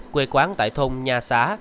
quê quán tại thôn nha xá